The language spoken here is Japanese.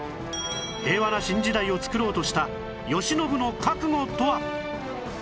平和な新時代を作ろうとした慶喜の覚悟とは？